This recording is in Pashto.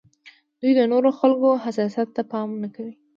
دوی د نورو خلکو حساسیت ته پام نه کوي.